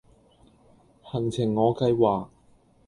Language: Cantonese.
行程我計劃